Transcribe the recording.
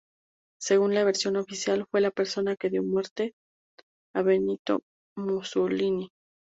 Según la versión oficial, fue la persona que dio muerte a Benito Mussolini.